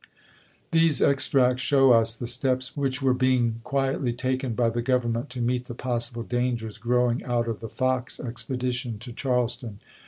These extracts show us the steps which were being quietly taken by the Grovernment to meet the possible dangers growing out of the Fox expedi tion to Charleston.